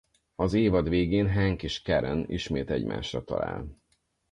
Az évad végén Hank és Karen ismét egymásra talál.